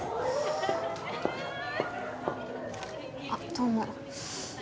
あっどうも。